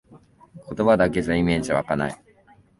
言葉だけじゃイメージわかない